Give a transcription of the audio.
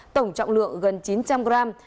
tổng trọng lượng gần chín trăm linh gram